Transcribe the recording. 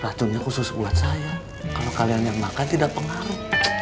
ratunya khusus buat saya kalau kalian yang makan tidak pengaruh